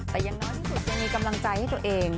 แต่อย่างน้อยที่สุดยังมีกำลังใจให้ตัวเอง